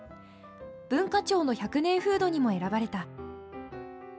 文化庁の１００年フードにも選ばれた。